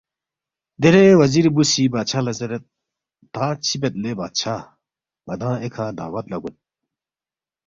دیرے وزیری بُو سی بادشاہ لہ زیرید ”تا چِہ بید لے بادشاہ؟ ن٘دانگ ایکھہ دعوت لہ گوید